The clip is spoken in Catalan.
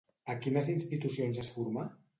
A quines institucions es formà?